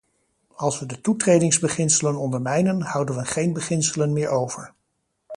Als we de toetredingsbeginselen ondermijnen, houden we geen beginselen meer over.